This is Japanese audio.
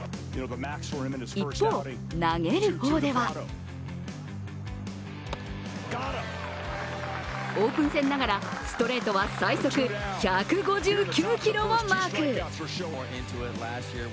一方、投げる方ではオープン戦ながらストレートは最速１５９キロをマーク。